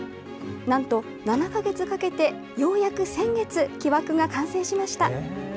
なんと７か月かけて、ようやく先月、木枠が完成しました。